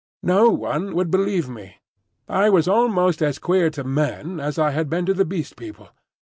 No one would believe me; I was almost as queer to men as I had been to the Beast People.